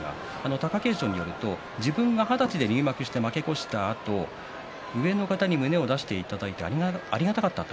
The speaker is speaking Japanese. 貴景勝によると自分の二十歳で入門して負け越したあと上の方に胸を出していただいてありがたかったと。